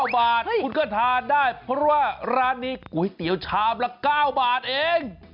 ๙บาทคุณก็ทานได้เพราะว่าร้านนี้ก๋วยเตี๋ยวชามละ๙บาทเอง